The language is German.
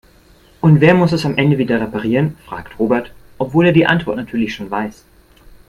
"Und wer muss es am Ende wieder reparieren?", fragt Robert, obwohl er die Antwort natürlich schon weiß.